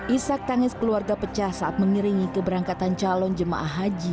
isak tangis keluarga pecah saat mengiringi keberangkatan calon jemaah haji